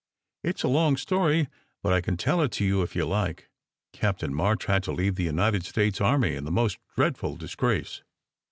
It s a long story, but I can tell it to you if you like. Cap tain March had to leave the United States army in the most dreadful disgrace!"